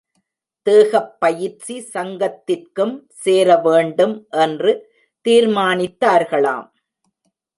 தேகப்பயிற்சி சங்கத்திற்கும் சேர வேண்டும் என்று தீர்மானித்தார்களாம்.